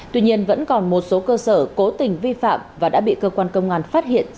tuy nhiên vẫn còn một số cơ sở cố tình vi phạm và đã bị cơ quan công an phát hiện